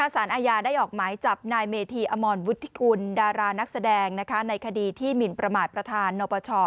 สารอาญาได้ออกหมายจับนายเมธีอมรวุฒิกุลดารานักแสดงในคดีที่หมินประมาทประธานนปช